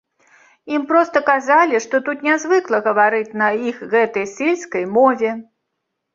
Ім проста казалі, што тут нязвыкла гаварыць на іх гэтай сельскай мове.